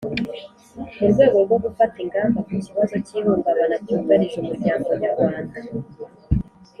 Mu rwego rwo gufata ingamba ku kibazo cy ihungabana cyugarije umuryango nyarwanda